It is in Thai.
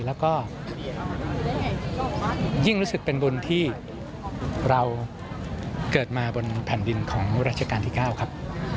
แล้วก็ยิ่งรู้สึกเป็นบุญที่เราเกิดมาบนแผ่นดินของรัชกาลที่๙ครับ